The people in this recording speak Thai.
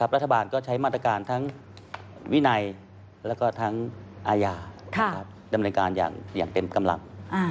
รัฐบาลก็ใช้มาตรการทั้งวินัยและทั้งอาญาดำเนินการอย่างเต็มกำลัง